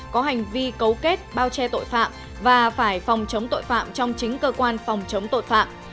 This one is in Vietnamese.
có hành vi cấu kết bao che tội phạm và phải phòng chống tội phạm trong chính cơ quan phòng chống tội phạm